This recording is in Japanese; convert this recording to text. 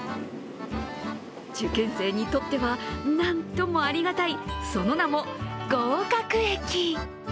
受験生にとってはなんともありがたい、その名も合格駅。